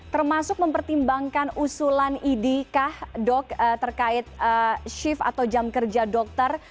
termasuk mempertimbangkan usulan idikah dok terkait shift atau jam kerja dokter